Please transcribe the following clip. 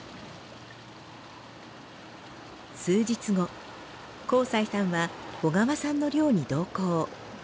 数日後幸才さんは小川さんの漁に同行。